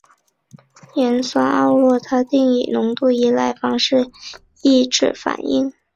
盐酸奥洛他定以浓度依赖方式抑制反应。